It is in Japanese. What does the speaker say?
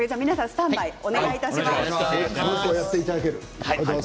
スタンバイをお願いします。